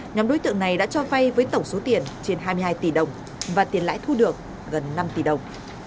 nhóm đối tượng này đã cho vay với tổng số tiền trên hai mươi hai tỷ đồng và tiền lãi thu được gần năm tỷ đồng